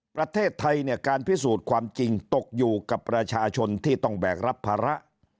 ประเทศไทยเนี่ยการพิสูจน์ความจริงตกอยู่กับประชาชนที่ต้องแบกรับภาระ